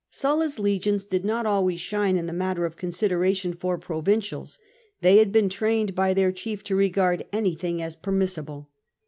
Sulla's legions did not always shine in the matter of consideration for provincials ; they had been trained by their chief to regard anything as permissible.